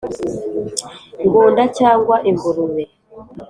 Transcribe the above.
Ngunda cyangwa ingurube